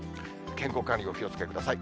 健康管理にお気をつけください。